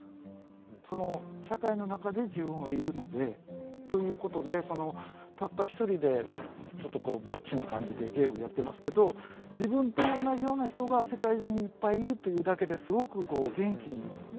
その社会の中で自分はいるので。ということでたった一人でちょっとぼっちな感じでゲームやってますけど自分と同じような人が世界中にいっぱいいるというだけですごく元気になりますよね。